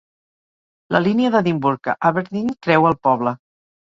La línia d'Edimburg a Aberdeen creua el poble.